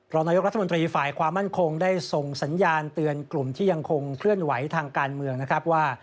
รองนายกรัฐมนตรีฝ่ายความมั่นคงได้ส่งสัญญาณเตือนกลุ่มที่ยังคงเคลื่อนไหวทางการเมืองนะครับว่า